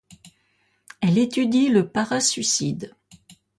Elle étudie le para-suicide.